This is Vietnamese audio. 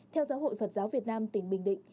theo giáo hội phật giáo việt nam tỉnh bình định